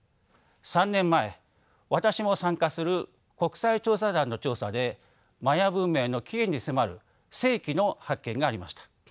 ３年前私も参加する国際調査団の調査でマヤ文明の起源に迫る世紀の発見がありました。